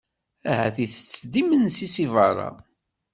Ahat itett-d imensi si berra.